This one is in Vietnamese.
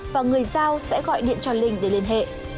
và người giao sẽ gọi điện cho linh để liên hệ